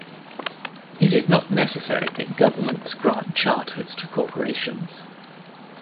It is not necessary that governments grant charters to corporations.